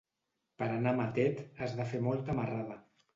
Per anar a Matet has de fer molta marrada.